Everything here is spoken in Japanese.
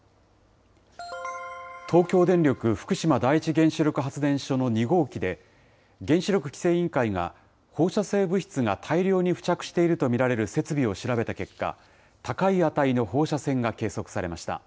東京電力福島第一原子力発電所の２号機で、原子力規制委員会が放射性物質が大量に付着していると見られる設備を調べた結果、高い値の放射線が計測されました。